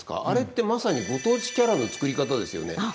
あれってまさにご当地キャラの作り方ですよね。